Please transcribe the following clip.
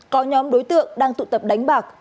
có nhóm đối tượng đang tụ tập đánh bạc